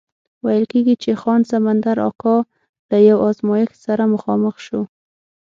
ویل کېږي چې خان سمندر اکا له یو ازمایښت سره مخامخ شو.